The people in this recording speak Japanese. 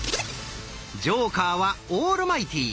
ジョーカーはオールマイティー。